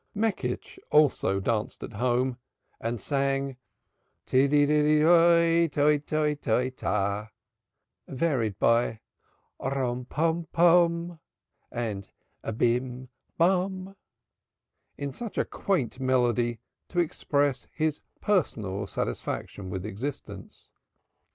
Meckisch also danced at home and sang "Tiddy, riddy, roi, toi, toi, toi, ta," varied by "Rom, pom, pom" and "Bim, bom" in a quaint melody to express his personal satisfaction with existence.